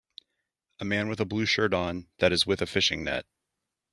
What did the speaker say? A man with a blue shirt on that is with a fishing net.